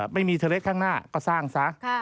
ไม่มีเทอร์เล็กข้างหน้าก็สร้างซะ